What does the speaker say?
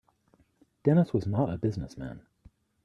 Dennis was not a business man.